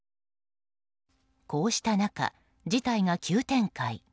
こうした中、事態が急展開。